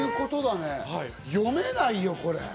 読めないよ、これ。